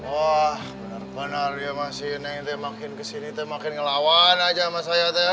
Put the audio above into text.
wah benar benar dia masih neng nek makin kesini nek makin ngelawan aja sama saya teng